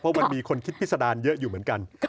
เพราะมันมีคนคิดพิษดารเยอะอยู่เหมือนกัน